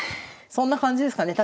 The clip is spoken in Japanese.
そんな感じですかね